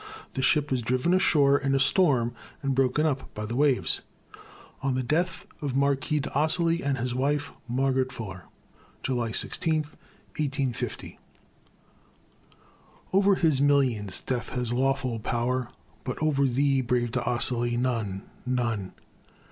The ship was driven ashore in a storm, and broken up by the waves. ON THE DEATH OF M. D'OSSOLI AND HIS WIFE, MARGARET FULLER [July 16, 1850] Over his millions Death has lawful power, But over thee, brave D'Ossoli! none, none.